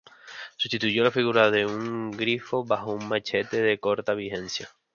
Sustituyó a la figura de un grifo bajo un machete, de corta vigencia.